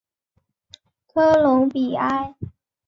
科隆比埃。